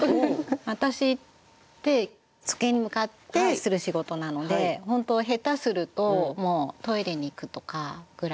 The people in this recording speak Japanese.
私って机に向かってする仕事なので本当下手するともうトイレに行くとかぐらいしか動かない。